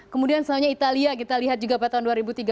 kemudian selanjutnya italia kita lihat juga pada tahun dua ribu tiga belas